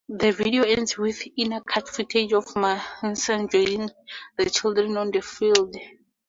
The video ends with inter-cut footage of Manson joining the children on the field.